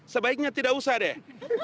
sebaiknya tidak usah deh